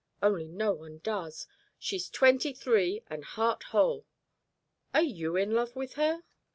Only no one does. She's twenty three and heart whole." "Are you in love with her?"